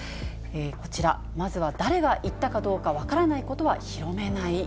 こちら、まずは誰が言ったかどうか分からないことは広めない。